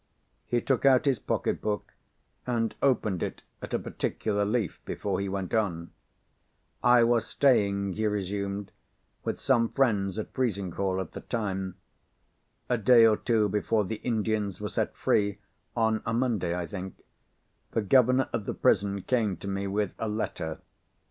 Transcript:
He took out his pocket book, and opened it at a particular leaf, before he went on. "I was staying," he resumed, "with some friends at Frizinghall, at the time. A day or two before the Indians were set free (on a Monday, I think), the governor of the prison came to me with a letter.